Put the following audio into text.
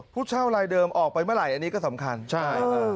ผู้เช่าลายเดิมออกไปเมื่อไหร่อันนี้ก็สำคัญใช่